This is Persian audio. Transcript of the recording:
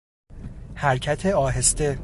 حرکت آهسته